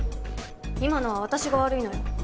今のは私が悪いのよ。